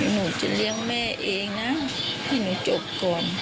หนูจะเลี้ยงแม่เองนะให้หนูจบก่อน